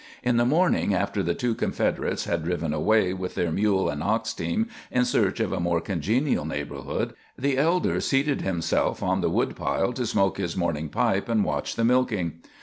In the morning, after the two Confederates had driven away with their mule and ox team in search of a more congenial neighborhood, the elder seated himself on the woodpile to smoke his morning pipe and watch the milking.